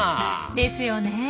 ですよねえ。